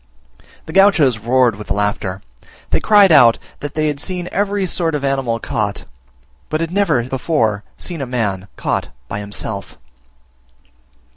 The Gauchos roared with laughter; they cried out that they had seen every sort of animal caught, but had never before seen a man caught by himself.